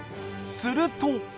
すると。